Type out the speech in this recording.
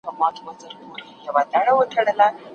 تخلص ستا د کړنو څرګندونه کوي.